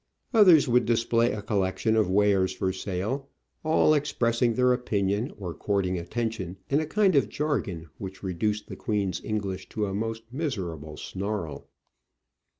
Others would display a collection of wares for sale, all expressing their opinion or courting atten tion in a kind of jargon which reduced the Queen's English to a most miserable snarl.